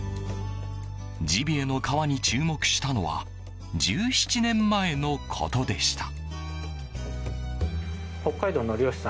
ジビエの革に注目したのは１７年前のことでした。